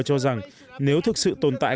cho rằng nếu thực sự tồn tại